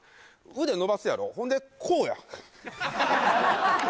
腕伸ばすやろほんでこうや！